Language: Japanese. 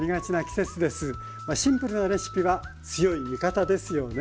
シンプルなレシピは強い味方ですよね。